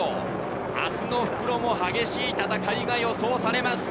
明日の復路も激しい戦いが予想されます。